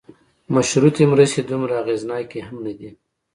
مشروطې مرستې دومره اغېزناکې هم نه دي.